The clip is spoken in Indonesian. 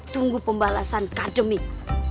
tunggu pembalasan kademik